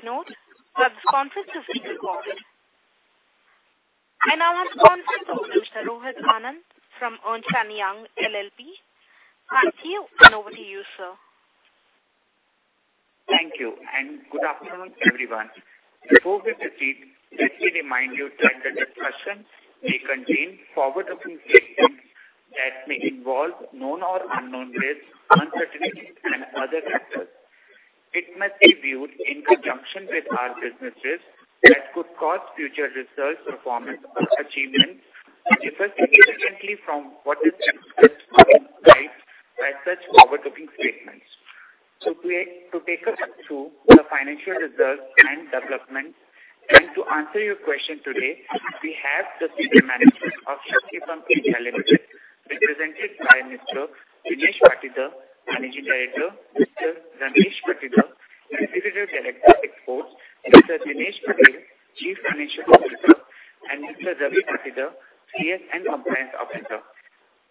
Please note, this conference is recorded. I now hand the conference over to Mr. Rohit Anand from Ernst & Young LLP. Thank you, over to you sir. Thank you and good afternoon everyone. Before we proceed, let me remind you that the discussion may contain forward-looking statements that may involve known or unknown risks, uncertainty and other factors. It must be viewed in conjunction with our business that could cause future results, performance and achievement different from what is expressed by such forward-looking statements. To take you through the financial results and developments and to answer your questions today, we have the team management of Shakti Pumps India Limited, represented by Mr. Dinesh Patidar, Managing Director, Mr. Ramesh Patidar, Executive Director Export, Mr. Dinesh Patel, Chief Financial Officer and Mr. Ravi Patidar, CS and Compliance Officer.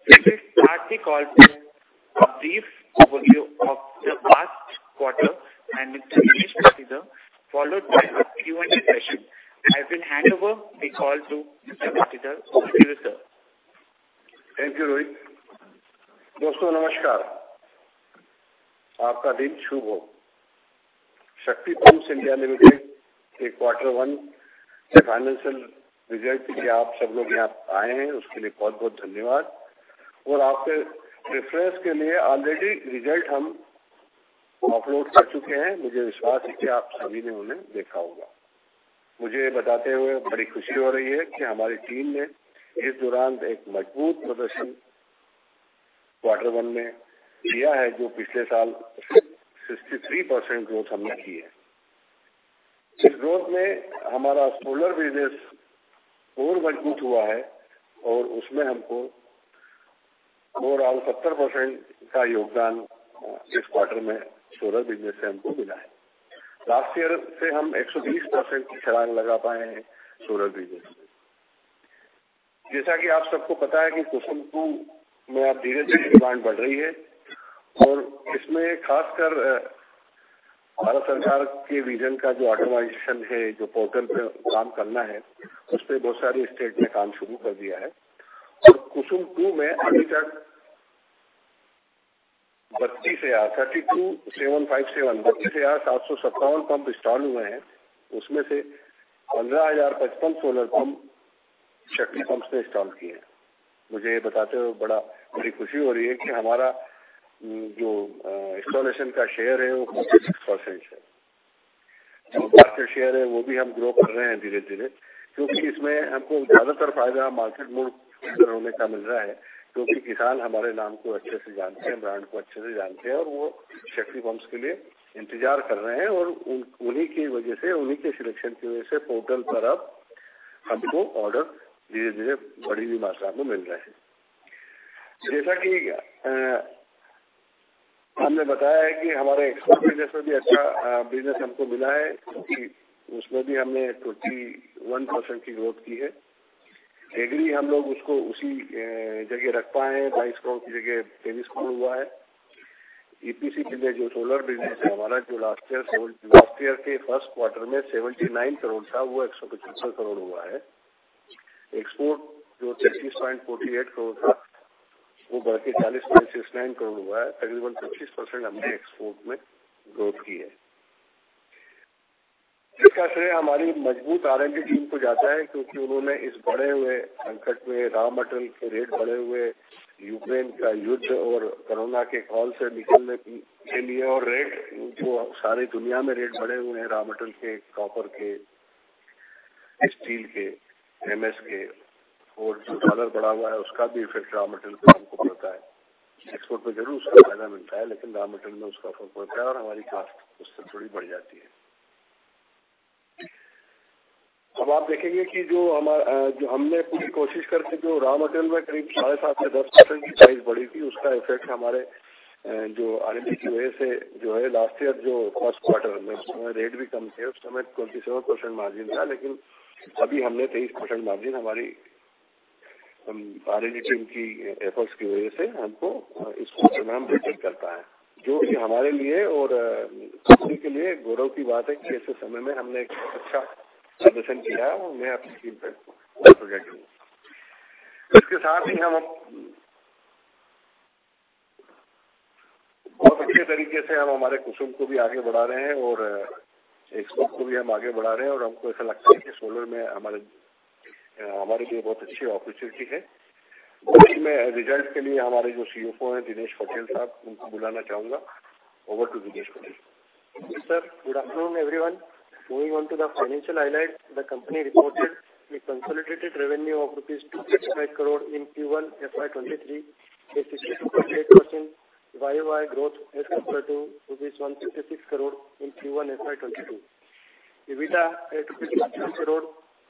We will start the call with a brief overview of the past quarter by Mr. Dinesh Patidar, followed by Q&A. I can hand over the call to Mr. Patel.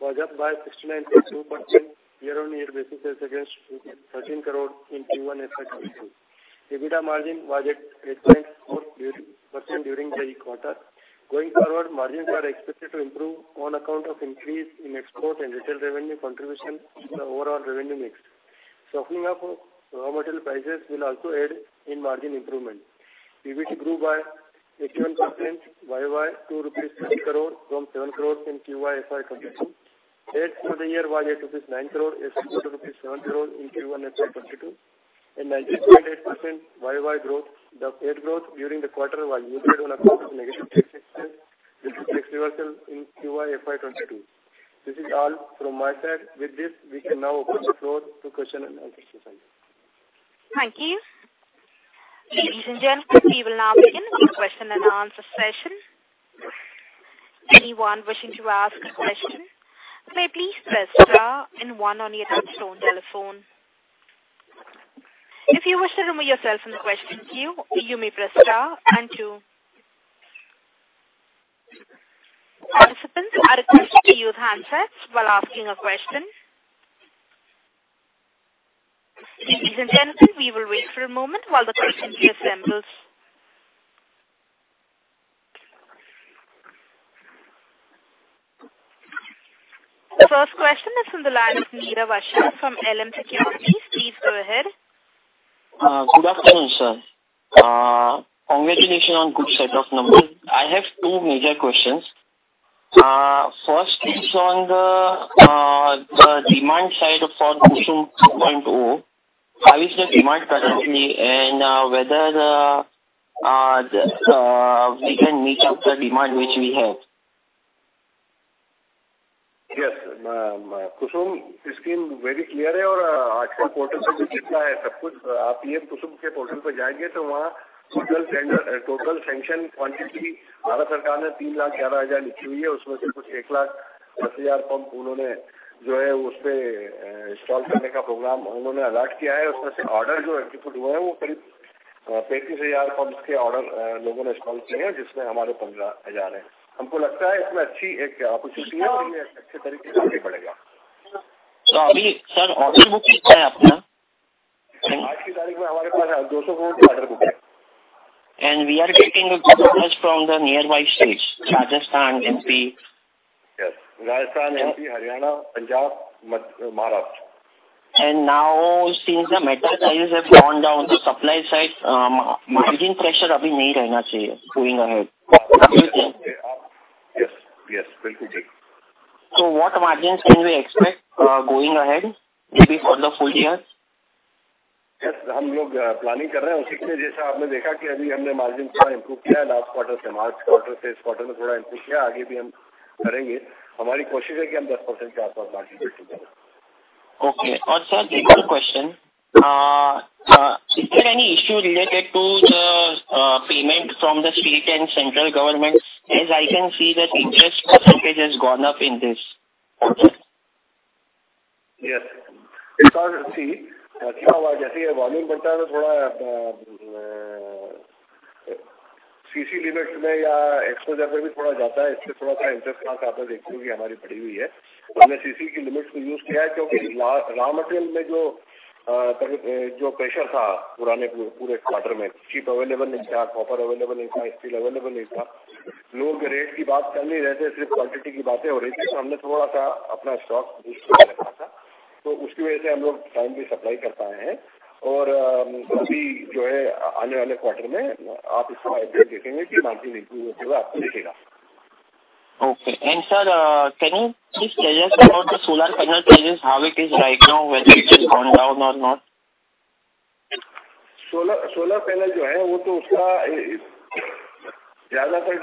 was up by 69.2% year-on-year basis against INR 13 crore in Q1 FY 2022. EBITDA margin was at 8.4% during the quarter. Going forward, margins are expected to improve on account of increase in export and retail revenue contribution to the overall revenue mix. Softening up of raw material prices will also add in margin improvement. PBT grew by 18% Y-o-Y, INR 7 crore from INR 7 crore in Q4 FY 2022. As for the year, Y-o-Y INR 9 crore is equal to INR 7 crore in Q4 FY 2022, and 19.8% Y-o-Y growth. The PAT growth during the quarter was neutral on account of negative tax expenses, which is tax reversal in Q4 FY 2022. This is all from my side. With this, we can now open the floor to question and answer session. Thank you. Ladies and gentlemen, we will now begin the question and answer session. Anyone wishing to ask a question may please press star and one on your touchtone telephone. If you wish to remove yourself from the question queue, you may press star and two. Participants are requested to use handsets while asking a question. Ladies and gentlemen, we will wait for a moment while the question queue assembles. The first question is from the line of Nirav Asher from LM Securities. Please go ahead. Good afternoon, sir. Congratulations on good set of numbers. I have two major questions. First is on the demand side for KUSUM 2.0. How is the demand currently, and whether we can meet up the demand which we have? Yes, KUSUM scheme very clear, और आजकल portal पर भी जितना है सब कुछ, आप यह KUSUM के portal पर जाएंगे तो वहां total tender, total sanction quantity Bharat सरकार ने ₹3,11,000 लिखी हुई है। उसमें से कुछ ₹1,10,000 pump उन्होंने जो है, उसपे install करने का program उन्होंने allot किया है। उसमें से order जो execute हुए हैं, वो करीब ₹35,000 pumps के order लोगों ने install किए हैं, जिसमें हमारे ₹15,000 हैं। हमको लगता है इसमें अच्छी एक opportunity है और ये अच्छे तरीके से आगे बढ़ेगा। अभी, sir, order book कितना है अपना? आज की तारीख में हमारे पास 240 order book है। We are getting orders from the nearby states, Rajasthan, MP. Yes, Rajasthan, MP, Haryana, Punjab, Maharashtra. And now since the metal prices have gone down, the supply side margin pressure अभी नहीं रहना चाहिए, going ahead. Yes, yes, बिल्कुल ठीक। What margins can we expect going ahead, maybe for the full year? Yes, हम लोग planning कर रहे हैं उसी के लिए। जैसा आपने देखा कि अभी हमने margin थोड़ा improve किया है last quarter से। March quarter से इस quarter में थोड़ा improve किया, आगे भी हम करेंगे। हमारी कोशिश है कि हम 10% के आसपास margin keep करें। Okay, and sir, the other question is there any issue related to the payment from the state and central government? As I can see that interest percentage has gone up in this. Yes. It's all see, क्या हुआ, जैसे ही volume बढ़ता है तो थोड़ा CC limit में या exposure में भी थोड़ा जाता है। इससे थोड़ा सा interest का आप देखोगे कि हमारी पड़ी हुई है। हमने CC की limits को use किया है, क्योंकि raw material में जो pressure था पुराने पूरे quarter में, chip available नहीं था, copper available नहीं था, steel available नहीं था। लोग rate की बात कर नहीं रहे थे, सिर्फ quantity की बातें हो रही थी। तो हमने थोड़ा सा अपना stock boost किया था। तो उसकी वजह से हम लोग time पर supply कर पाए हैं। और अभी जो है, आने वाले quarter में, आप इसका update देखेंगे कि margin improve होता हुआ आपको दिखेगा। Okay. And sir, can you please tell us about the solar panel changes, how it is right now, whether it is gone down or not? Solar, solar panel जो है, वो तो उसका ज्यादातर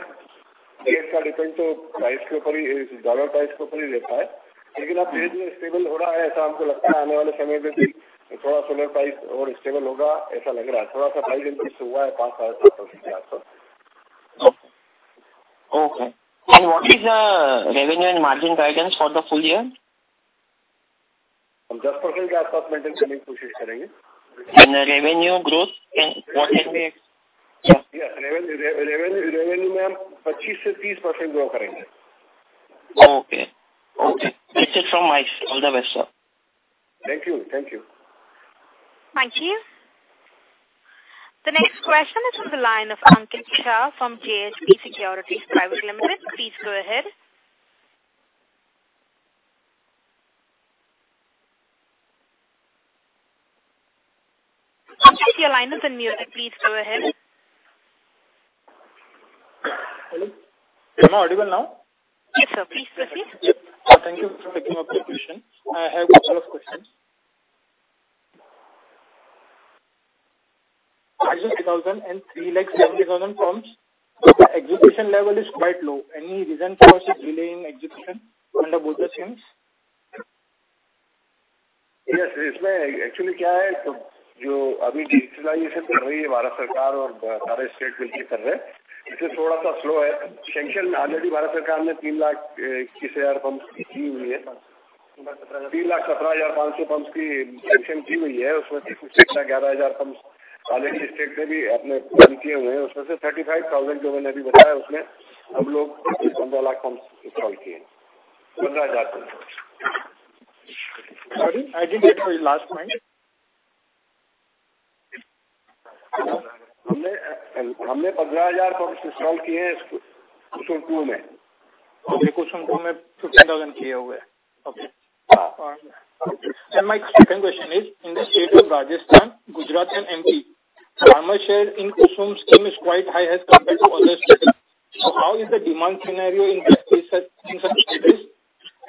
base का depend तो price के ऊपर ही, dollar price के ऊपर ही रहता है। लेकिन अब price में stable हो रहा है, ऐसा हमको लगता है आने वाले समय में भी थोड़ा solar price और stable होगा, ऐसा लग रहा है। थोड़ा सा price increase हुआ है, पांच साल से तो- Okay. And what is the revenue and margin guidance for the full year? हम 10% के आसपास maintain करने की कोशिश करेंगे। And the revenue growth, and what is the- Yes, revenue में हम 25% से 30% grow करेंगे। Okay. Okay. This is from my... All the best, sir. Thank you. Thank you. Thank you. The next question is from the line of Ankit Shah from JHP Securities Private Limited. Please go ahead. Your line is unmuted. Please go ahead. Hello, am I audible now? Yes, sir. Please proceed. Thank you for taking up the question. I have a lot of questions. 23,000 and 370,000 pumps, the execution level is quite low. Any reason for such delay in execution under both the schemes? Yes, इसमें actually क्या है, तो जो अभी digitalization कर रही है, भारत सरकार और सारे state मिलकर कर रहे हैं। इससे थोड़ा सा slow है। Sanction already भारत सरकार ने तीन लाख इक्कीस हजार pumps की दी हुई है। तीन लाख सत्रह हजार पांच सौ pumps की sanction दी हुई है। उसमें से कुछ ग्यारह हजार pumps already state से भी अपने done किए हुए हैं। उसमें से 35,000 जो मैंने अभी बताया, उसमें हम लोग पंद्रह हजार pumps install किए हैं। Sorry, I didn't get your last line. हमने पंद्रह हज़ार पंप्स इंस्टॉल किए हैं कुसुम टू में। कुसुम टू में 15,000 किए हुए हैं। OK. And my second question is in the state of Rajasthan, Gujarat and MP, farmer share in KUSUM scheme is quite high as compared to other states. So how is the demand scenario in this case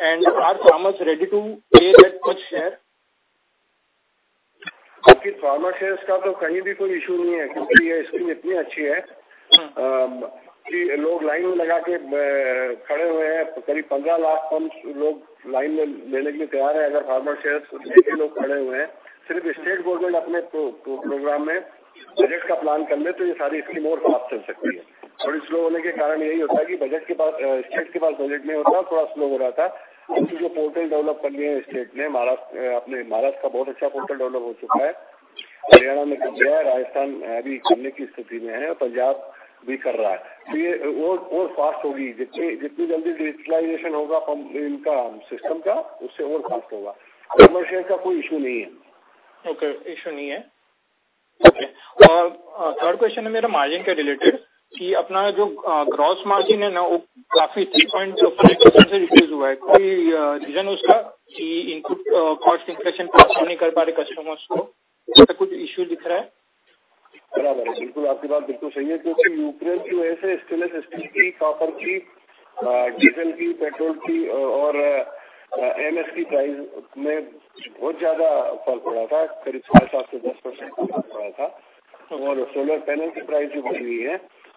and are farmers ready to pay that much share? हां जी, farmer shares का तो कहीं भी कोई issue नहीं है क्योंकि ये स्कीम इतनी अच्छी है। लोग लाइन में लगा के खड़े हुए हैं। करीब 15 लाख पंप लोग लाइन में लेने के लिए तैयार हैं। अगर फार्मर शेयर लोग खड़े हुए हैं, सिर्फ स्टेट गवर्नमेंट अपने प्रोग्राम में बजट का प्लान कर ले तो ये सारी स्कीम और फास्ट चल सकती है। थोड़ी स्लो होने के कारण यही होता है कि बजट के पास स्टेट के पास बजट नहीं होता। थोड़ा स्लो हो रहा था। जो पोर्टल डेवलप कर लिए हैं, स्टेट ने महाराष्ट्र अपने महाराष्ट्र का बहुत अच्छा पोर्टल डेवलप हो चुका है। हरियाणा ने कर दिया है। राजस्थान अभी करने की स्थिति में है। पंजाब भी कर रहा है तो ये और और फास्ट होगी। जितनी जितनी जल्दी डिजिटलाइजेशन होगा, पंप का सिस्टम का उससे और फास्ट होगा। फार्मर शेयर का कोई इश्यू नहीं है। ओके इश्यू नहीं है। ओके और थर्ड क्वेश्चन है मेरा मार्जिन से रिलेटेड कि अपना जो ग्रॉस मार्जिन है ना, वो काफी थ्री पॉइंट से रिड्यूस हुआ है। कोई रीजन है उसका कि इनपुट कॉस्ट इन्फ्लेशन पास नहीं कर पा रहे कस्टमर्स को। इसमें कुछ इश्यू दिख रहा है। बिल्कुल, आपकी बात बिल्कुल सही है, क्योंकि यूक्रेन की वजह से स्टेनलेस स्टील की, कॉपर की, डीजल की, पेट्रोल की और एमएस की प्राइस में बहुत ज्यादा फल पड़ा था। करीब 7% से 10% बढ़ा हुआ था और सोलर पैनल की प्राइस भी बढ़ी है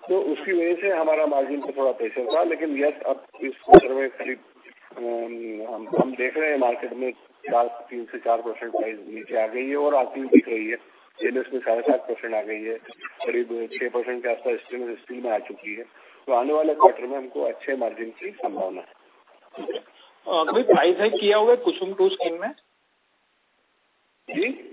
तो उसकी वजह से हमारा मार्जिन पर थोड़ा प्रेशर था। लेकिन हां, अब इस क्वार्टर में हम देख रहे हैं मार्केट में 3% से 4% प्राइस नीचे आ गई है और आ रही दिख रही है। इसमें साढ़े 7% आ गई है। करीब 6% के आसपास स्टील में आ चुकी है तो आने वाले क्वार्टर में हमको अच्छे मार्जिन की संभावना है। अभी प्राइस हाई किया हुआ है कुसुम टू स्कीम में। जी। कुसुम टू स्कीम में कुछ प्राइस हाई लिया हुआ है कंपनी ने। अभी कुसुम टू में price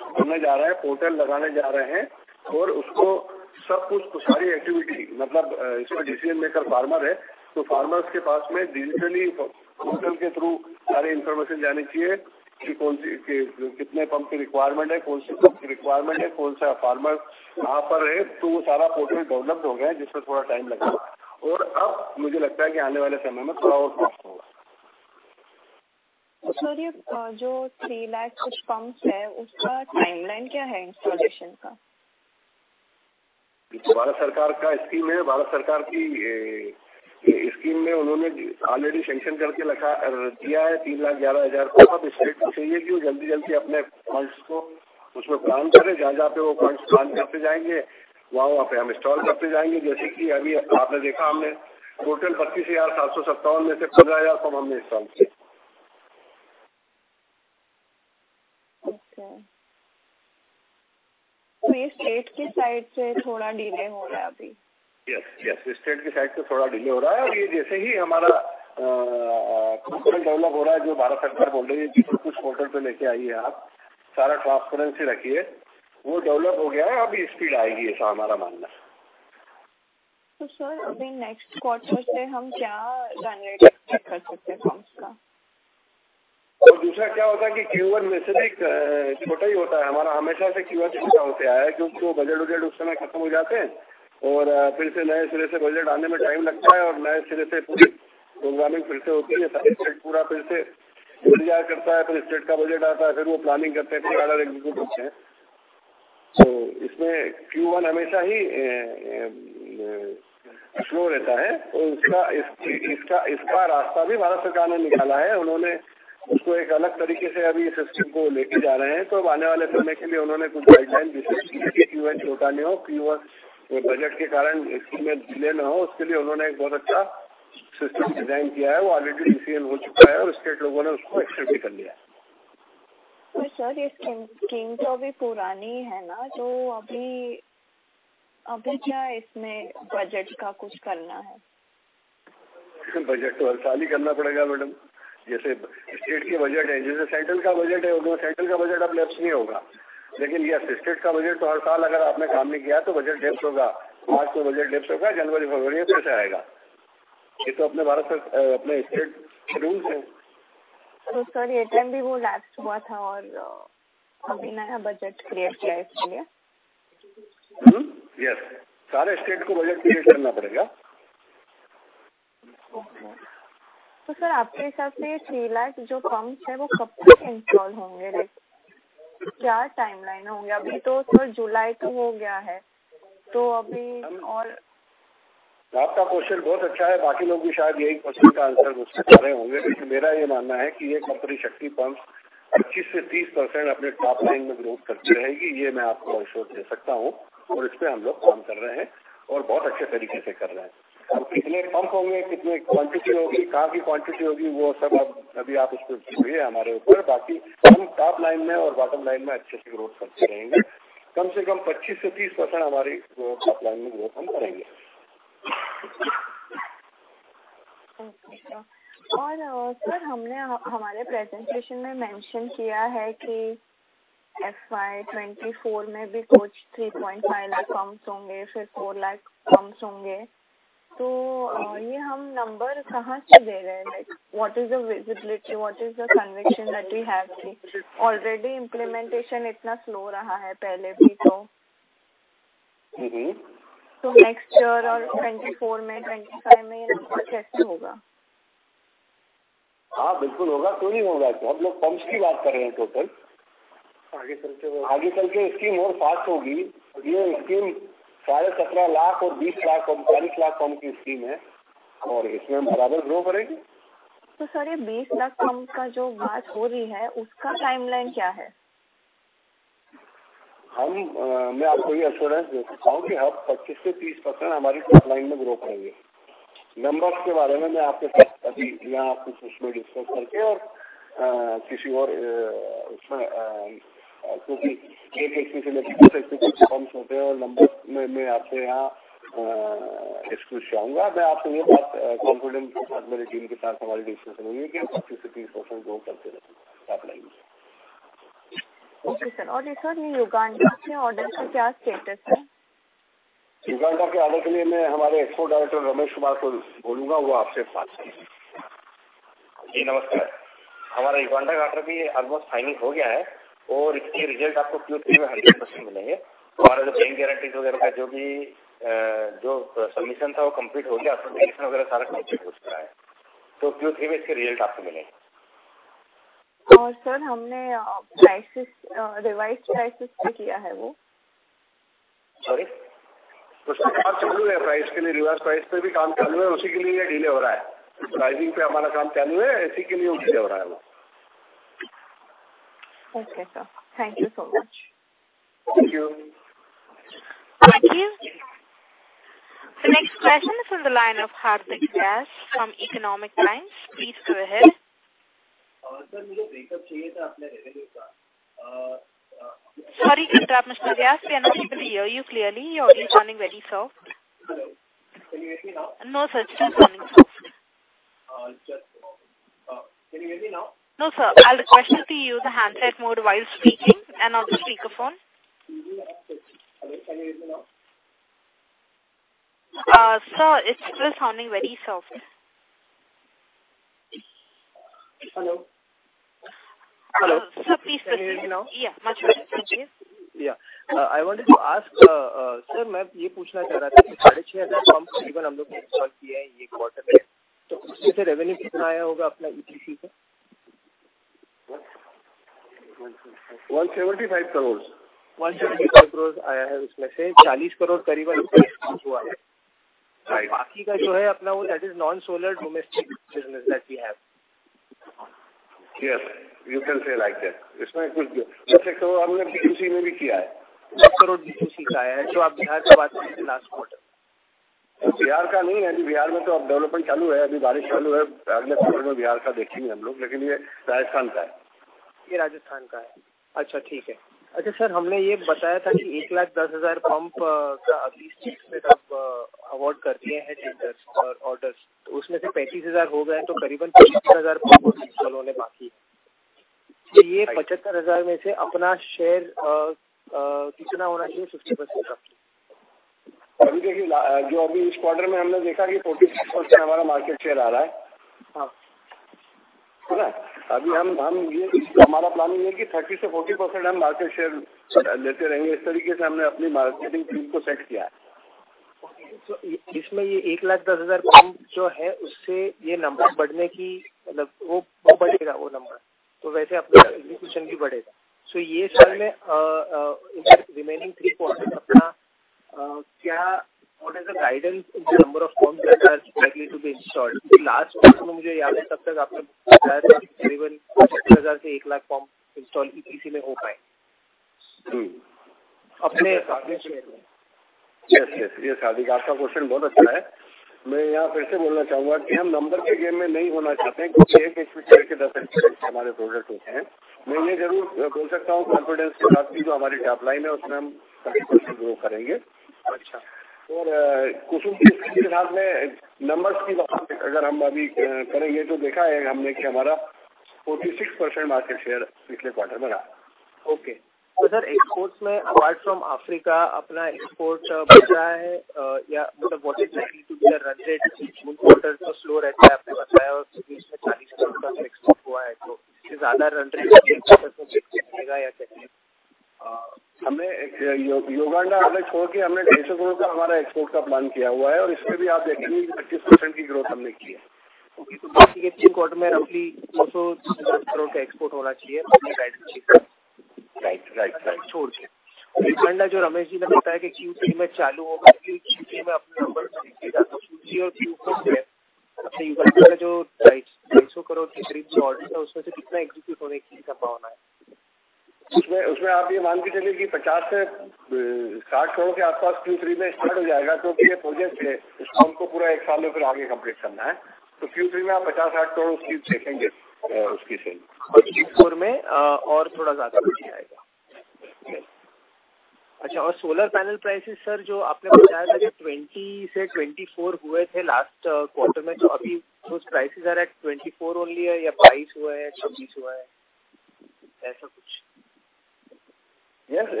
Joindre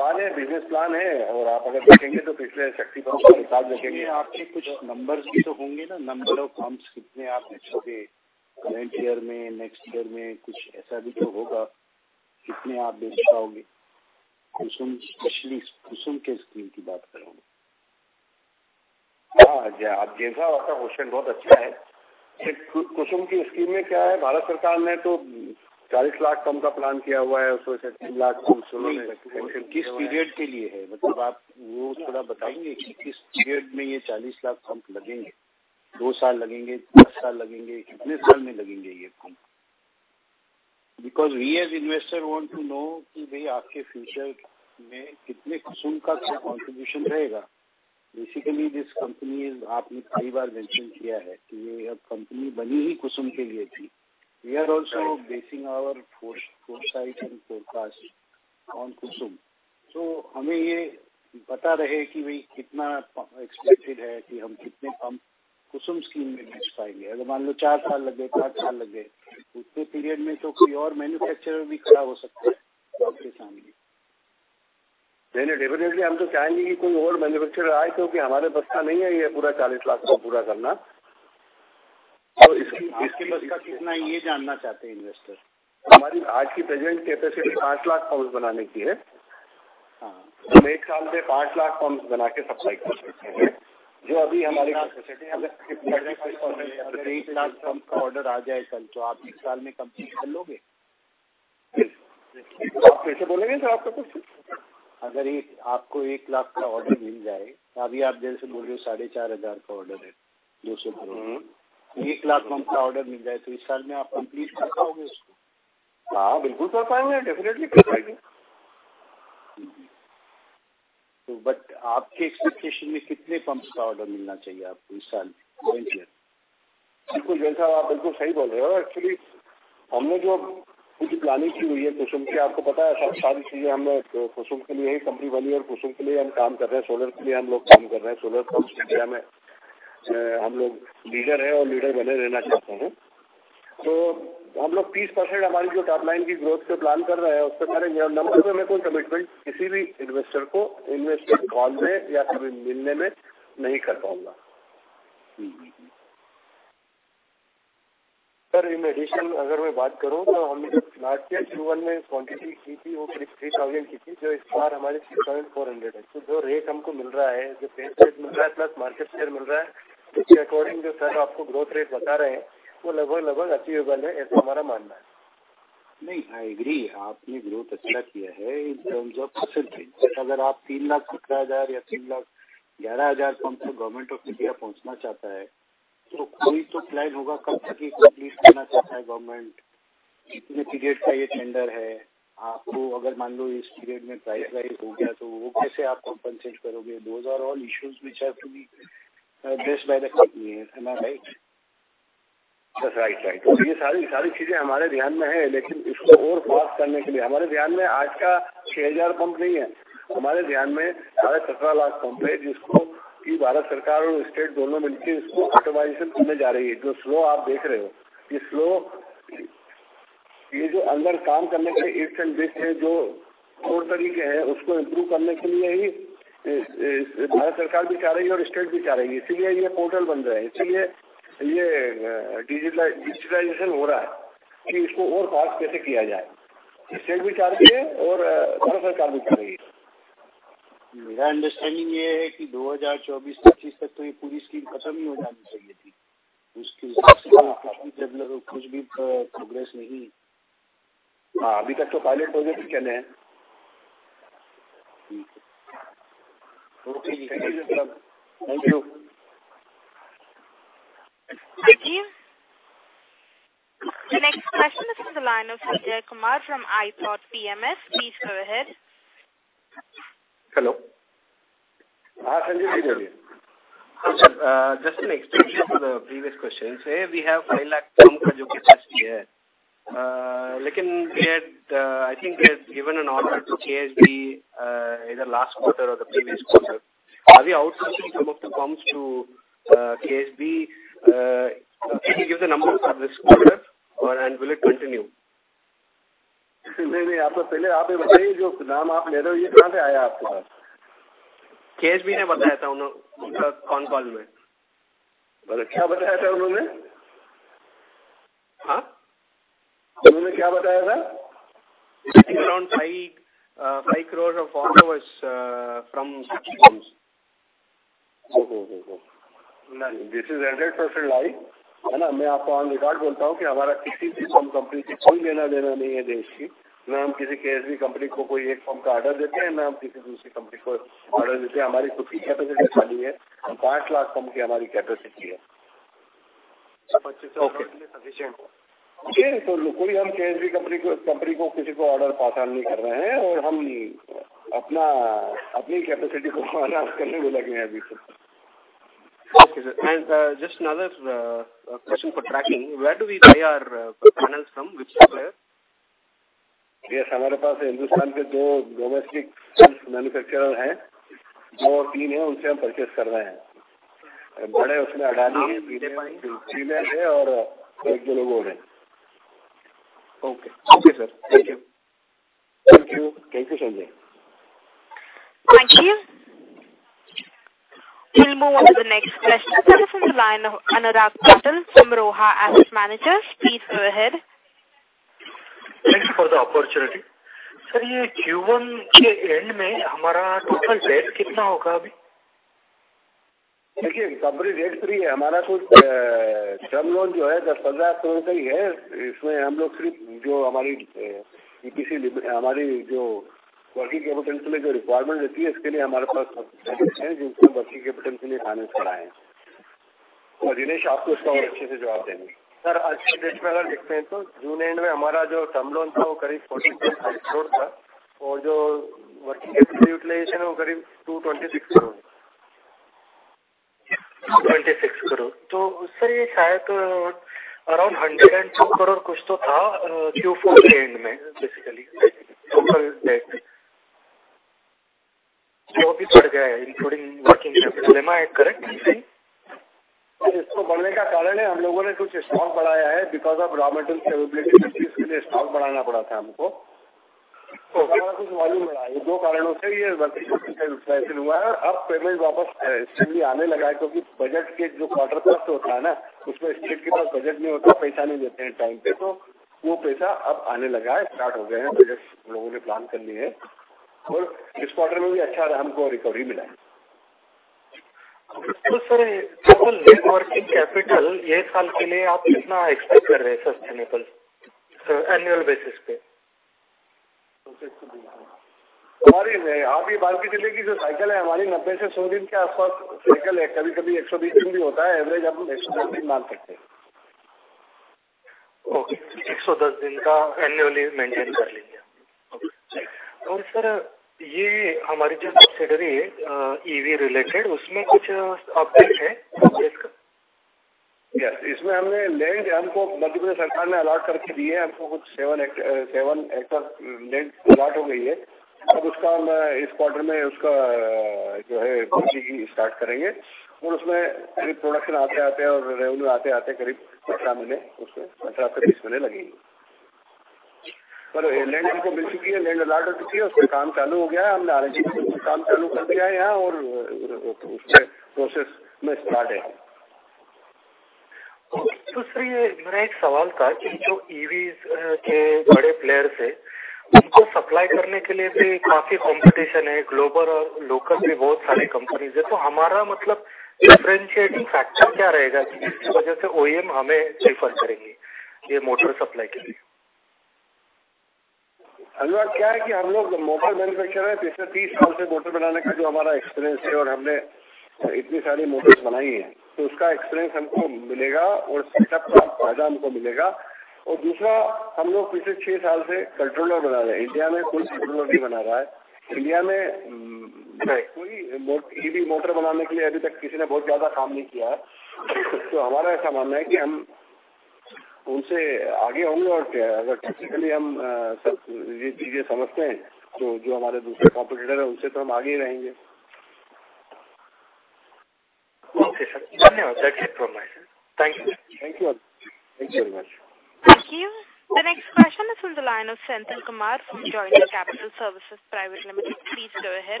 Capital Services Private Limited. Please go ahead.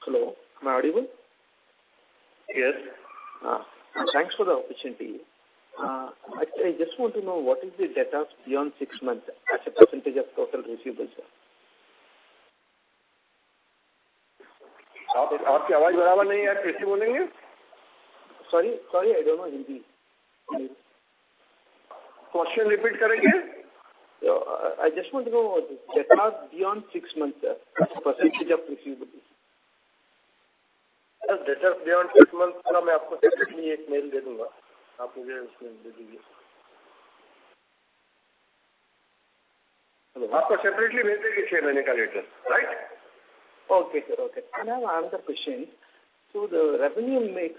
Hello, am I audible. Yes. Thanks for the opportunity. I just want to know what is the data beyond six months, as a percentage of total receivables sir. आपकी आवाज बराबर नहीं है, कैसे बोलेंगे? Sorry, sorry, I don't know Hindi. Question repeat करेंगे। I just want to know data beyond six months, percentage of receivable. Data beyond six months. मैं आपको एक मेल दे दूंगा। आपको उसमें दे दूंगा। आपको सेपरेटली मैं दे दिया है, right. Okay, okay. I have another question, so the revenue mix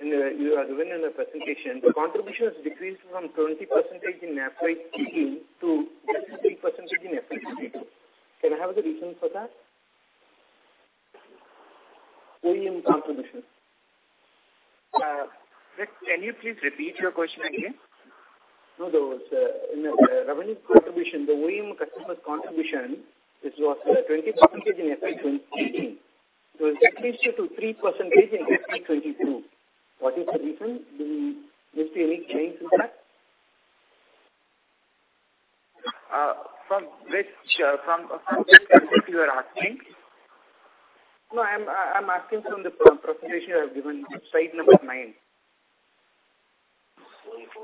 you have given in present, the contribution decreases from 20% in FY to 3% in FY. Can I have the reason for that? OEM contribution. Can you please repeat your question again? No, the revenue contribution, the OEM customer contribution, which was 20% in FY 2022, decreased to 3% in FY 2023. What is the reason? Will there be any change in that? From which, from which are you asking? No, I am asking from the present you have given, slide number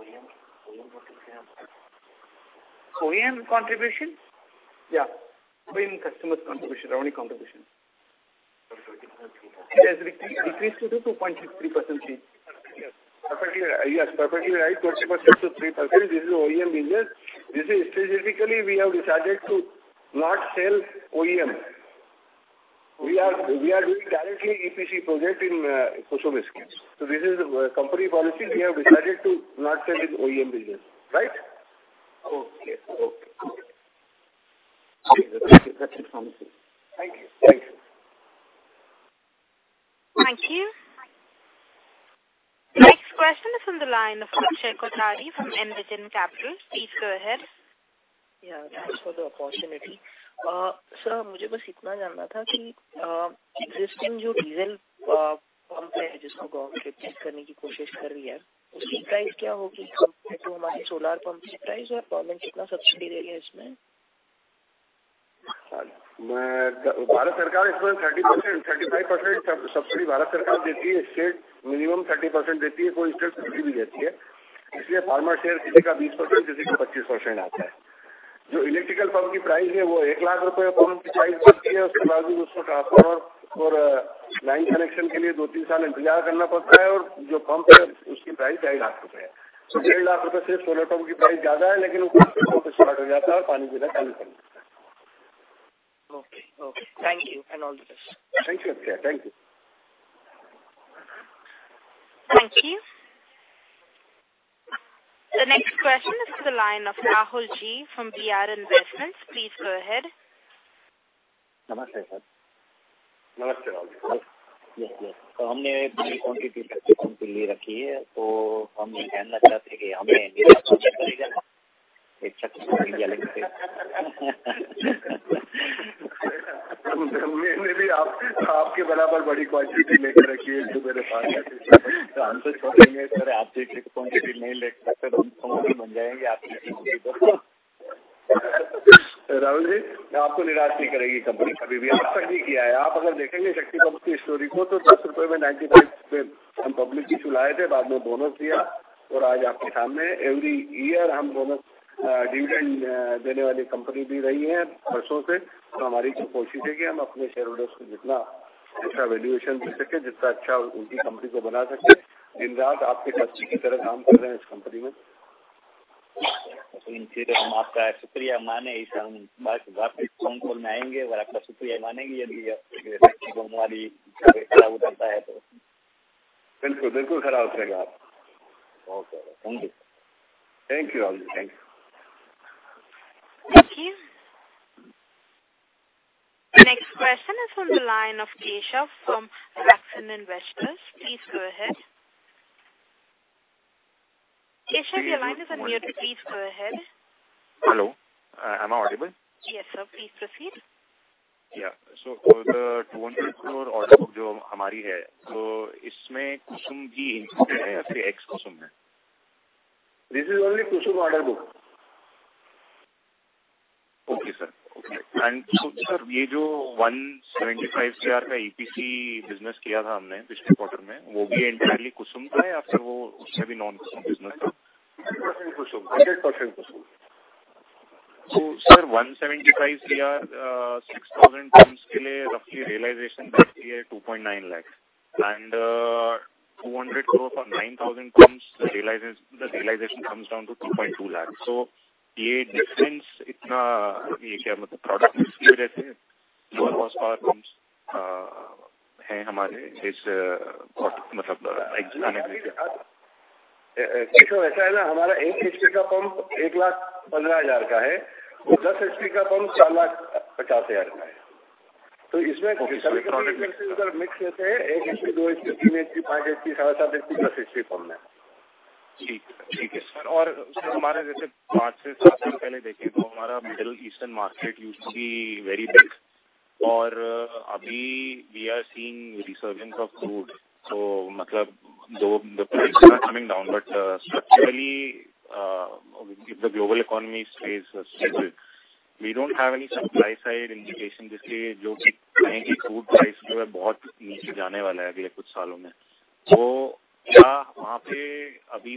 nine. OEM contribution. Yeah, OEM customer contribution, revenue contribution. Decrease two point three percent. Perfectly, yes perfectly right. 20% to 3%। This is OEM business. This is specifically we have decide to not sell OEM। We are, we are doing currently EPC project in some schemes. So this is company policy. We have decide to not sell in OEM business, right. Okay, okay. Thank you. Thank you. Next question is from the line of Akshay Kothari from Envision Capital. Please go ahead. Yeah, thanks for the opportunity. Sir, मुझे बस इतना जानना था कि existing जो diesel pump है, जिसको government change करने की कोशिश कर रही है, उसकी प्राइस क्या होगी? जो हमारी सोलर पंप की प्राइस है और गवर्नमेंट कितना सब्सिडी दे रही है इसमें? भारत सरकार इसमें 30%, 35% सब्सिडी भारत सरकार देती है। स्टेट मिनिमम 30% देती है। कोई स्टेट और भी देती है। इसलिए फार्मर शेयर किसी का 20%, किसी को 25% आता है। जो इलेक्ट्रिकल पंप की प्राइस है, वह ₹1 लाख पंप की प्राइस पड़ती है और उसको लाइन कनेक्शन के लिए दो तीन साल इंतजार करना पड़ता है और जो पंप है उसकी प्राइस ₹2.5 लाख है। तो ₹2.5 लाख सोलर पंप की प्राइस ज्यादा है, लेकिन वो शुरू हो जाता है और बिना बिजली के पानी कर देता है। Okay, okay thank you and all the best. Thank you! Thank you. Thank you. The next question is from the line of Rahul G from BR Investment. Please go ahead. नमस्ते सर! नमस्ते। हमने quality की लिए रखी है तो हम कहना चाहते हैं कि हमने अच्छा किया लेकिन। हमने भी आपके बराबर बड़ी क्वालिटी लेकर रखी है, जो मेरे पास है, तो हम सोच रहे हैं सर, आपसे क्वालिटी नहीं ले सकते। हम कम हो जाएंगे, आपकी क्वालिटी तो। राहुल जी, आपको निराश नहीं करेगी कंपनी कभी भी, अब तक नहीं किया है। आप अगर देखेंगे शक्ति पंप की स्टोरी को तो ₹10 में 1995 में हम पब्लिक इश्यू लाए थे, बाद में बोनस दिया और आज आपके सामने हर साल हम बोनस डिविडेंड देने वाली कंपनी भी रही है। वर्षों से तो हमारी कोशिश है कि हम अपने शेयरहोल्डर को जितना अच्छा वैल्यूएशन दे सके, जितना अच्छा उनकी कंपनी को बना सकते हैं, इतना आप की अच्छी की तरह काम कर रहे हैं इस कंपनी में। हम आपका शुक्रिया मानें, हम वापस फोन कॉल में आएंगे और आपका शुक्रिया मानेंगे। यदि आपकी हमारी खराब होता है तो। बिल्कुल, बिल्कुल खराब रहेगा। Okay thank you. Thank you, thank you! Thank you. Next question is from the line of Keshav from RakSan Investors. Please go ahead. Keshav, your line is on mute. Please go ahead. Hello, I am Audible. Yes sir, please proceed. Yeah, so दो crore order जो हमारी है तो इसमें कुसुम की है या x कुसुम है? This is only KUSUM order book. Okay sir, okay and sir यह जो ₹175 करोड़ का EPC बिजनेस किया था, हमने पिछले क्वार्टर में वह भी एंटायर्ली कुसुम का है या फिर वो उससे भी नॉन कुसुम बिजनेस था। Kusum 100% Kusum. So sir, ₹1.75 crore 6,000 pumps के लिए रफली रियलाइजेशन है। ₹2.9 लाख और ₹200 crore for 9,000 pumps realisation, the realisation comes down to ₹2.2 lakh. So यह डिफरेंस इतना। क्या मतलब प्रोडक्ट मिक्स में रहते हैं? पावर पंप हैं, हमारे इस मतलब जानने में। ऐसा है ना। हमारा एक HP का पंप ₹1,15,000 का है। दस HP का पंप ₹4,50,000 का है। तो इसमें अगर मिक्स करते हैं, एक HP, दो HP, तीन HP, पांच HP, साढ़े सात HP, दस HP पंप है। ठीक है सर और हमारे जैसे पांच से सात साल पहले देखें तो हमारा middle eastern market used to be very big और अभी we are seeing resurgence of crude. So मतलब दो price coming down, but structurally the global economy is stable. We don't have any supply side indication, जिसके जो कि crude price जो है, बहुत नीचे जाने वाला है अगले कुछ सालों में। तो क्या वहां पर अभी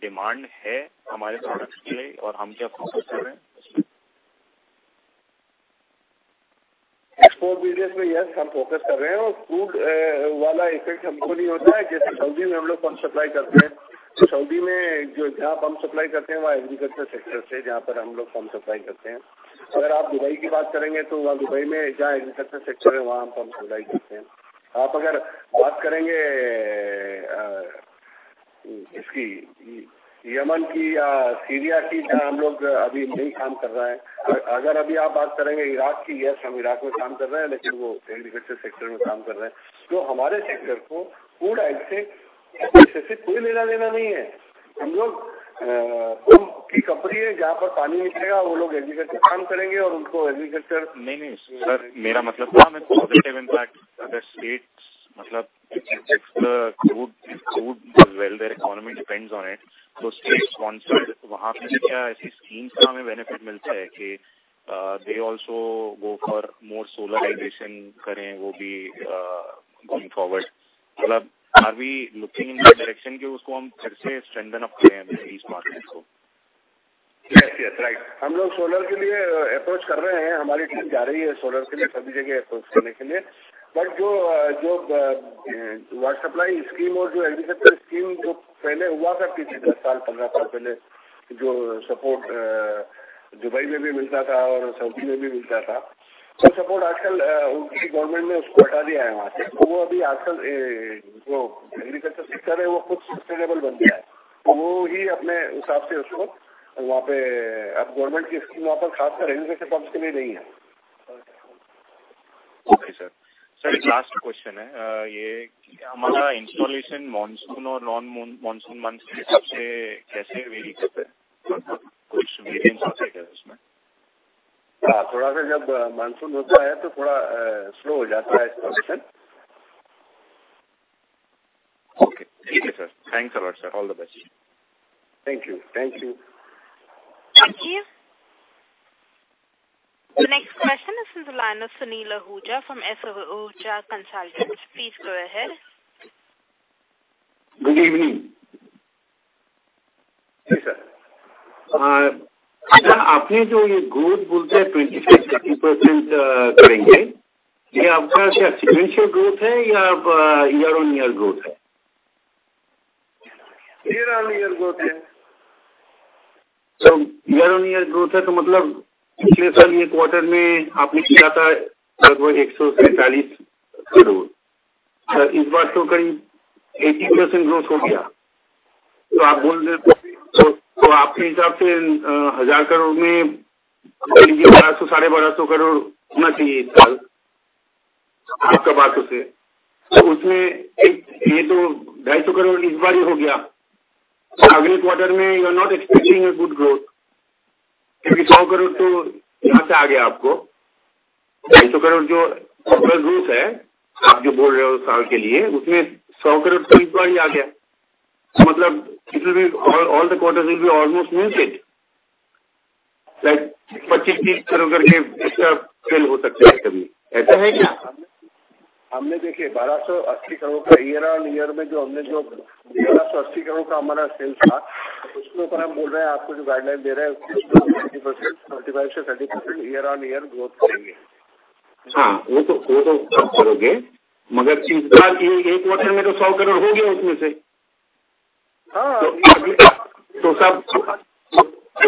डिमांड है हमारे प्रोडक्ट्स के लिए और हम क्या फोकस कर रहे हैं? एक्सपोर्ट बिजनेस में yes, हम फोकस कर रहे हैं और क्रूड वाला इफेक्ट हमको नहीं होता है। जैसे सऊदी में हम लोग पंप सप्लाई करते हैं, तो सऊदी में जो जहां पंप सप्लाई करते हैं, वहां एग्रीकल्चर सेक्टर से जहां पर हम लोग पंप सप्लाई करते हैं। अगर आप दुबई की बात करेंगे तो वहां दुबई में जहां एग्रीकल्चर सेक्टर है, वहां हम पंप सप्लाई करते हैं। आप अगर बात करेंगे इसकी यमन की या सीरिया की, जहां हम लोग अभी नहीं काम कर रहे हैं। अगर अभी आप बात करेंगे इराक की, yes, हम इराक में काम कर रहे हैं, लेकिन वो एग्रीकल्चर सेक्टर में काम कर रहे हैं, जो हमारे सेक्टर को फूड से कोई लेना देना नहीं है। हम लोग पंप की कंपनी है, जहां पर पानी मिलेगा, वो लोग एग्रीकल्चर काम करेंगे और उनको एग्रीकल्चर। नहीं नहीं सर, मेरा मतलब था, मैं पॉजिटिव इंपैक्ट स्टेट्स मतलब crude, crude well, the economy depends on it तो स्टेट स्पॉन्सर्ड। वहां पर क्या ऐसी स्कीम का हमें बेनिफिट मिलता है कि they also go for more solar hydration करें, वह भी कम फॉरवर्ड। मतलब are we looking in the direction कि उसको हम फिर से स्ट्रेंथन अप करें, इस मार्केट को। हां, राइट, हम लोग सोलर के लिए अप्रोच कर रहे हैं। हमारी टीम जा रही है सोलर के लिए सभी जगह अप्रोच करने लिए। बट जो जो वाटर सप्लाई स्कीम और जो एग्रीकल्चर स्कीम जो पहले हुआ था, पिछले दस साल, पंद्रह साल पहले जो सपोर्ट दुबई में भी मिलता था और सऊदी में भी मिलता था। तो सपोर्ट आजकल उनकी गवर्नमेंट ने उसको हटा दिया है। वहां से वो अभी आजकल जो एग्रीकल्चर सेक्टर है, वो खुद सस्टेनेबल बन गया है। तो वो ही अपने हिसाब से उसको वहां पर। अब गवर्नमेंट की स्कीम वहां पर खास कर पंप्स के लिए नहीं है। Okay sir, sir, last question है यह कि हमारा इंस्टॉलेशन मानसून और नॉन मानसून मंथ के हिसाब से कैसे वैरी करते हैं? कुछ वैरियेशन आता है क्या उसमें? हां, थोड़ा सा जब मानसून होता है तो थोड़ा स्लो हो जाता है इंस्टॉलेशन। ओके ठीक है sir. Thanks a lot sir. All the best. Thank you! Thank you. Thank you. Next question is from the line of Sunil Ahuja from Ahuja Consultants. Please go ahead. Good evening. जी sir. आपने जो यह growth बोलते हैं, 21% करेंगे। यह आपका क्या सीक्वेंशियल ग्रोथ है या ईयर ऑन ईयर ग्रोथ है? Year-on-year growth है। ईयर ऑन ईयर ग्रोथ है तो मतलब पिछले साल यह क्वार्टर में आपने किया था, लगभग एक सौ सैंतालीस करोड़। इस बार तो कहीं एटी परसेंट ग्रोथ हो गया। तो आप बोल दे तो आपके हिसाब से हज़ार करोड़ में बारह सौ, साढ़े बारह सौ करोड़ होना चाहिए। इस साल आपकी बात से उसमें एक यह दो ढाई सौ करोड़ इस बार ही हो गया। तो अगले क्वार्टर में you are not expecting a good growth. क्योंकि सौ करोड़ तो यहां से आ गया। आपको ढाई सौ करोड़ जो ग्रोथ है, आप जो बोल रहे हो साल के लिए उसमें सौ करोड़ तो इस बार ही आ गया। मतलब all the quarter will be almost moved it. Like पच्चीस तीस करोड़ करके इसका सेल हो सकता है। कभी ऐसा है क्या? हमने देखिए ₹1,280 करोड़ का year-on-year में जो हमने जो ₹1,280 करोड़ का हमारा sales था। हम बोल रहे हैं आपको जो गाइडलाइन दे रहे हैं, % पर year-on-year ग्रोथ करेंगे। हां, वो तो करोगे। मगर तीन साल के एक क्वार्टर में तो ₹100 करोड़ हो गया। उसमें से अभी तो सब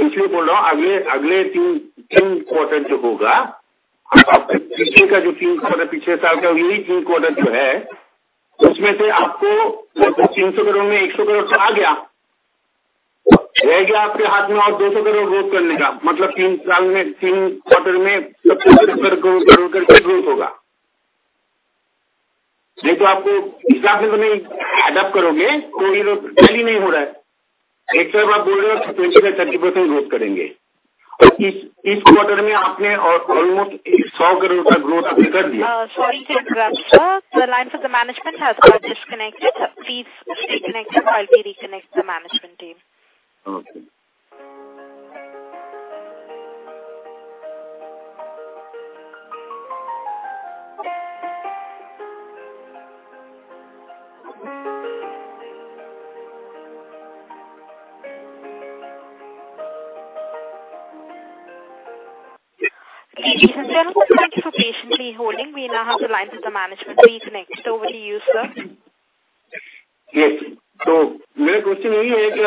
इसलिए बोल रहा हूं। अगले तीन क्वार्टर जो होगा, पिछले साल का यही तीन क्वार्टर जो है, उसमें से आपको ₹300 करोड़ में ₹100 करोड़ चला गया। रह गया आपके हाथ में और ₹200 करोड़ ग्रोथ करने का। मतलब तीन साल में तीन क्वार्टर में ग्रोथ होगा। नहीं तो आपको इस हिसाब से तो नहीं adopt करोगे। कोई ग्रोथ नहीं हो रहा है। एक तरफ आप बोल रहे हो पर ग्रोथ करेंगे और इस क्वार्टर में आपने almost ₹100 करोड़ तक ग्रोथ आपने कर दिया। Sir, the line for management है। Disconnect disconnect management team। Thank you for patiently holding we have lines। Management connect over to you sir। Yes, तो मेरा question यही है कि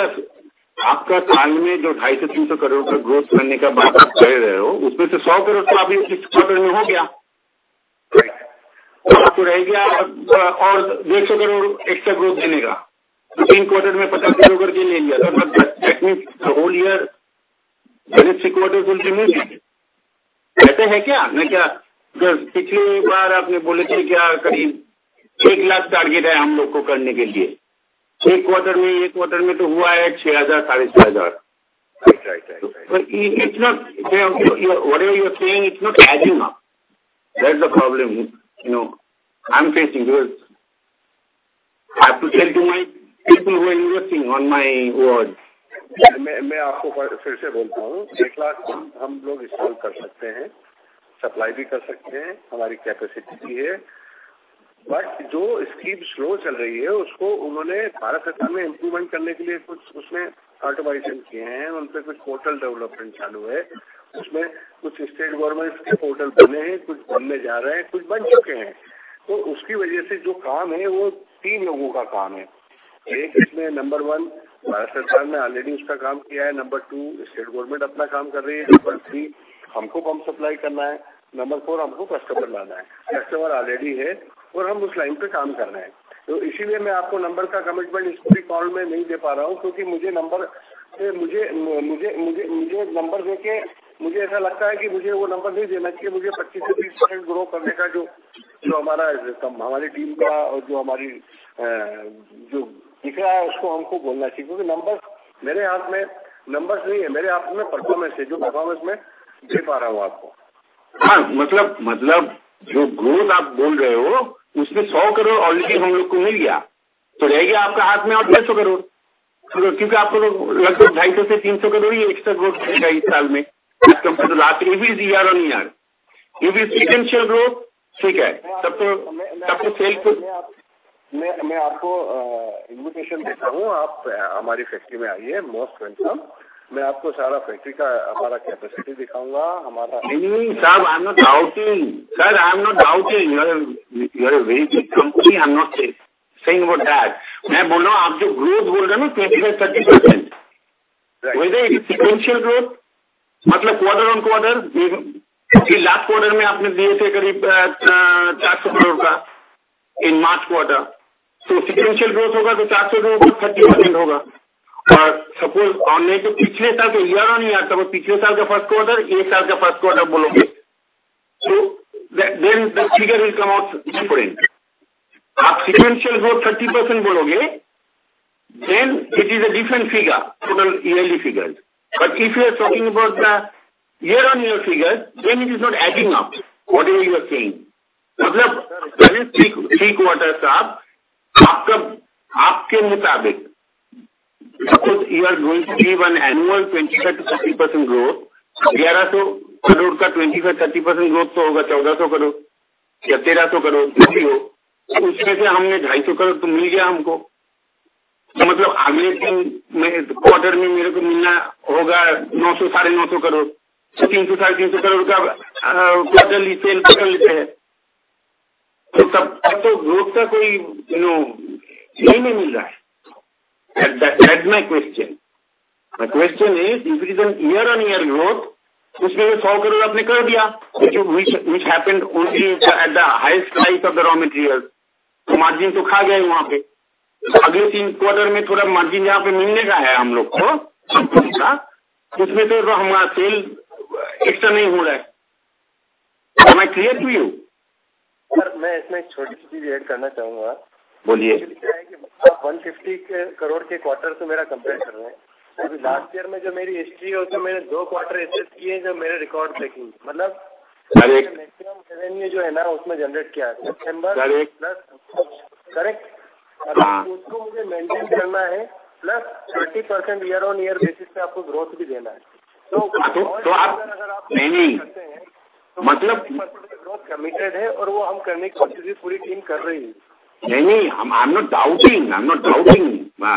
आपका साल में जो ₹250 करोड़ से ₹300 करोड़ तक growth करने का बात आप कर रहे हो, उसमें से ₹100 करोड़ तो अभी इस quarter में हो गया। तो आपको रह गया और ₹150 करोड़ extra growth देने का तीन quarter में ₹50 करोड़ करके ले लिया। मतलब whole year तीन quarter तो नहीं है। ऐसे है क्या? मैं क्या पिछले बार आपने बोले थे क्या? करीब ₹1 लाख target है। हम लोग को करने के लिए छह quarter में एक quarter में तो हुआ है। ₹6,000 साढ़े ₹6,000। What you are saying it is not problem you know, I am facing to my people, investing on my words. मैं आपको फिर से बोलता हूं, एक लाख हम लोग इंस्टॉल कर सकते हैं, सप्लाई भी कर सकते हैं। हमारी कैपेसिटी भी है। बट जो स्कीम स्लो चल रही है, उसको उन्होंने भारत सरकार ने इम्प्रूवमेंट करने के लिए कुछ उसमें ऑटोमाइजेशन किए हैं। उन पर कुछ पोर्टल डेवलपमेंट चालू है। उसमें कुछ स्टेट गवर्नमेंट के पोर्टल बने हैं, कुछ बनने जा रहे हैं, कुछ बन चुके हैं तो उसकी वजह से जो काम है, वह तीन लोगों का काम है। एक इसमें नंबर वन। भारत सरकार ने ऑलरेडी उसका काम किया है। नंबर टू स्टेट गवर्नमेंट अपना काम कर रही है। नंबर थ्री हमको पंप सप्लाई करना है। नंबर फोर हमको कस्टमर बनाना है। कस्टमर ऑलरेडी है और हम उस लाइन पर काम कर रहे हैं। तो इसीलिए मैं आपको नंबर का कमिटमेंट इस कॉल में नहीं दे पा रहा हूं, क्योंकि मुझे नंबर देके मुझे ऐसा लगता है कि मुझे वह नंबर नहीं देना चाहिए। मुझे 25% से 20% ग्रो करने का जो हमारा है, हमारी टीम का और जो हमारी जो दिख रहा है, उसको हमको बोलना चाहिए, क्योंकि नंबर मेरे हाथ में नहीं है। मेरे हाथ में परफॉर्मेंस है, जो परफॉर्मेंस मैं दे पा रहा हूं आपको। हां, मतलब जो ग्रोथ आप बोल रहे हो, उसमें ₹100 करोड़ ऑलरेडी हम लोग को मिल गया तो रहेगा आपके हाथ में और ₹150 करोड़। क्योंकि आपको लगभग ₹250 से ₹300 करोड़ एक्स्ट्रा ग्रोथ है। इस साल में तो आप ये भी इयर ऑन इयर, ये भी सिक्वेंशियल ग्रोथ। ठीक है तब तो आपको सेल तो। मैं आपको इन्विटेशन देता हूं। आप हमारी फैक्ट्री में आइए, most welcome। मैं आपको सारा फैक्ट्री का हमारा capacity दिखाऊंगा। हमारा नहीं साहब, I am not doubting sir, I am not doubting. You are a very good company. I am not saying about that. मैं बोल रहा हूं। आप जो growth बोल रहे हैं, 23%, 24% sequential growth। मतलब quarter on quarter last quarter में आपने दिए थे करीब ₹400 करोड़ का। इन March quarter तो sequential growth होगा तो ₹400 करोड़ पर 30% होगा और suppose हमने तो पिछले साल का year-on-year पिछले साल का first quarter, इस साल का first quarter बोलोगे तो then figure will come out different। आप sequential growth 30% बोलोगे then it is a different figure, total yearly figure। But if you are talking about the year-on-year figure, then it is not adding up। What you are saying? मतलब पहले तीन quarter साहब आपका आपके मुताबिक, suppose you are going to give an annual 20%, 50% growth. ₹1,100 crore का 20%, 30% growth तो होगा। ₹1,400 करोड़ या ₹1,300 करोड़ जो भी हो, उसमें से हमने ₹250 करोड़ तो मिल गया हमको। मतलब आगे तीन quarter में मेरे को मिलना होगा। ₹900, ₹950 करोड़, ₹300, ₹350 करोड़ का sale कर लेते हैं तो तब तो growth का कोई you know नहीं मिल रहा है। My question, question is year-on-year growth. उसमें से ₹100 करोड़ आपने कर दिया, which happen only at the highest price of raw material तो margin तो खा गए वहां पे। अगले तीन quarter में थोड़ा margin यहां पे मिलने जा रहा है हम लोग को थोड़ा सा, उसमें तो हमारा sale extra नहीं हो रहा है। Am I clear to you. Sir, मैं इसमें एक छोटी सी चीज़ ऐड करना चाहूंगा। बोलिए। आप ₹150 करोड़ के क्वार्टर से मेरा compare कर रहे हैं। Last year में जो मेरी history है, उसमें मैंने दो quarter ऐसे किए हैं, जो मेरे record थे। कि मतलब एक maximum revenue जो है ना, उसमें generate किया है। September correct। उसको मुझे maintain करना है। Plus 20% year-on-year basis पर आपको growth भी देना है। तो आप नहीं। मतलब कमिटेड है और वो हम करने की कोशिश भी पूरी टीम कर रही है। नहीं नहीं, I am not doubting, I am not doubting. मैं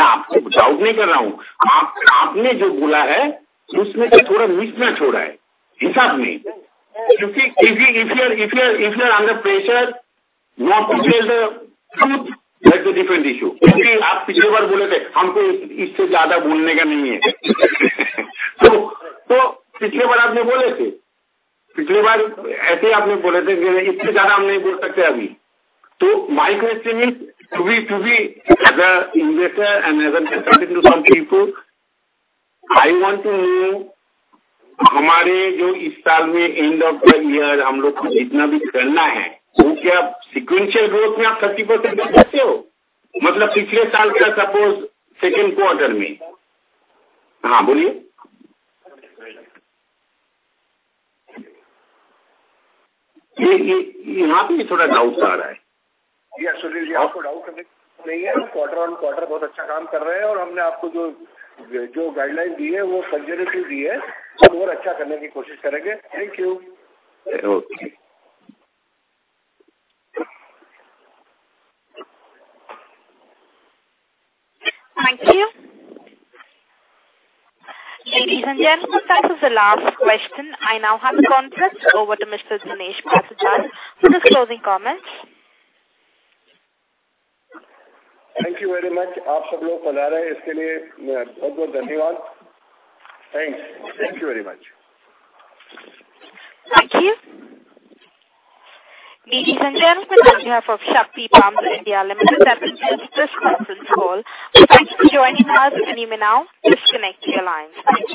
आपको doubt नहीं कर रहा हूं। आपने जो बोला है, उसमें तो थोड़ा mismatch हो रहा है। हिसाब नहीं क्योंकि if you, if you, if you are under pressure, you have to tell the truth, that's a different issue. क्योंकि आप पिछली बार बोले थे, हमको इससे ज्यादा बोलने का नहीं है। तो पिछली बार आपने बोले थे, पिछली बार ऐसे आपने बोले थे कि इससे ज्यादा हम नहीं बोल सकते अभी। तो my question is to be, to be a investor and some people, I want to know. हमारे जो इस साल में end of the year हम लोग को इतना भी करना है तो क्या sequential growth में आप 30% देख सकते हो? मतलब पिछले साल का suppose second quarter में। हां बोलिए। ये यहां पे भी थोड़ा doubt आ रहा है। आपको डाउट करने की नहीं है। क्वार्टर ऑन क्वार्टर बहुत अच्छा काम कर रहे हैं और हमने आपको जो जो गाइडलाइन दी है, वह सर्जरिली दी है और अच्छा करने की कोशिश करेंगे। Thank you! Okay. Thank you. Ladies and gentlemen, that is the last question. I now hand the call over to Mr. Dinesh Patidar for closing comments. Thank you very much. आप सब लोग पधारे, इसके लिए बहुत बहुत धन्यवाद। Thanks! Thank you very much. Thank you. Ladies and gentlemen, on behalf of Shakti Pumps India Limited, that ends this conference call. Thank you for joining us. You may now disconnect your lines. Thank you!